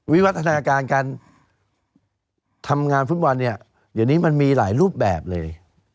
วิวัฒนาการการทำงานฟุตบอลเนี่ยเดี๋ยวนี้มันมีหลายรูปแบบเลย